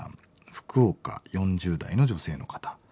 福岡４０代の女性の方。